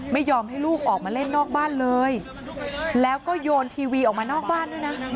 ไม่ยอมให้ลูกออกมาเล่นนอกบ้านเลยแล้วก็โยนทีวีออกมานอกบ้านด้วยนะ